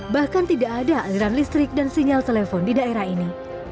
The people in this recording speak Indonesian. bahkan tidak ada aliran listrik dan sinyal telepon di daerah ini